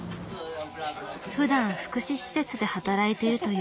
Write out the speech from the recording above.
ふだん福祉施設で働いているというお母さん。